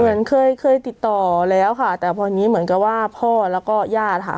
เหมือนเคยเคยติดต่อแล้วค่ะแต่พอนี้เหมือนกับว่าพ่อแล้วก็ญาติค่ะ